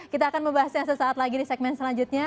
kita akan membahasnya sesaat lagi di segmen selanjutnya